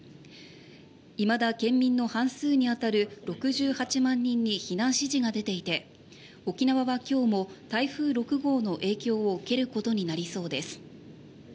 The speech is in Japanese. いまだ県民の半数に当たる６８万人に避難指示が出ていて沖縄は今日も台風６号の影響を受けることになりそうです。